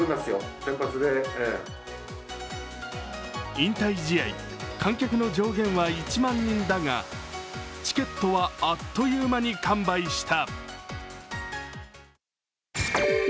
引退試合、観客の上限は１万人だがチケットはあっという間に完売した。